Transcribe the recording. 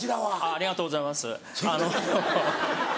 「ありがとうございます」。